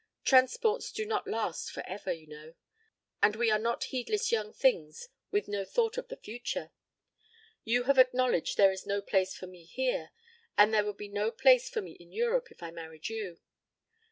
Transports do not last for ever, you know, and we are not heedless young things with no thought of the future. You have acknowledged there is no place for me here, and there would be no place for me in Europe if I married you.